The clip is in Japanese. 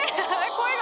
声が。